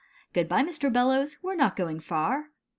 Good bye, Mr. Bellows, we 're not going far."